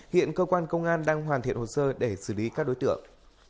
hiện cơ quan công an đang hoàn thiện hồ sơ để xử lý các đối tượng